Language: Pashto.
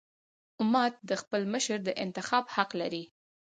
امت د خپل مشر د انتخاب حق لري.